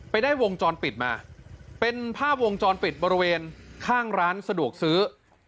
ได้วงจรปิดมาเป็นภาพวงจรปิดบริเวณข้างร้านสะดวกซื้อ